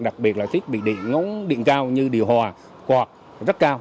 đặc biệt là thiết bị điện ngóng điện cao như điều hòa quạt rất cao